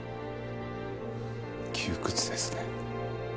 窮屈ですね。